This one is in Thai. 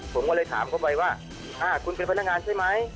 ผมก็เลยถามเขาไปว่าคุณเป็นพนักงานใช่ไหม